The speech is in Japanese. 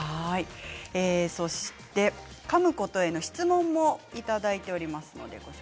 かむことへの質問もいただいています。